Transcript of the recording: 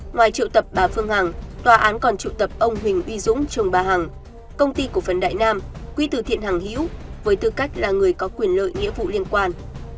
ngoài triệu tập bà phương hằng tòa án còn triệu tập ông huỳnh uy dũng chồng bà hằng công ty cổ phấn đại nam quý tử thiện hằng hiếu với tư cách là người có quyền lợi nghĩa vụ liên quan